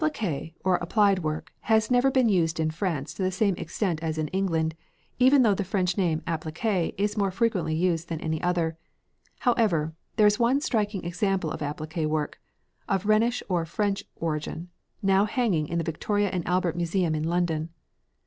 Colors: red, pink, and green] Appliqué, or applied work, has never been used in France to the same extent as in England, even though the French name "appliqué" is more frequently used than any other. However, there is one striking example of appliqué work, of Rhenish or French origin, now hanging in the Victoria and Albert Museum in London.